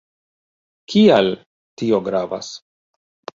Kial tio gravas?